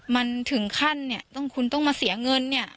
มันถึงขั้นเนี่ยต้องคุณต้องมาเสียเงินเนี่ย